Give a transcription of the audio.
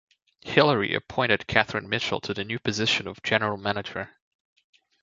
Hilary appointed Kathryn Mitchell to the new position of general manager.